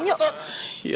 ya udah berang yuk